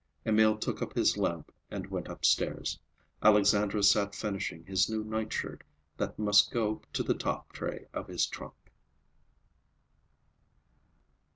Emil took up his lamp and went upstairs. Alexandra sat finishing his new nightshirt, that must go in the top tray of his trunk.